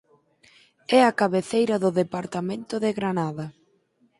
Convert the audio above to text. É a cabeceira do Departamento de Granada.